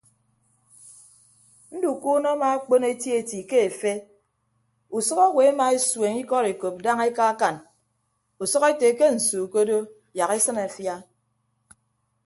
Ndukuunọ amaakpon etieti ke efe usʌk owo emaesueñ ikọd ekop daña ekaakan usʌk ete ke nsu ke odo yak esịn afia.